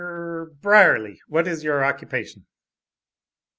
er Brierly! What is your occupation?"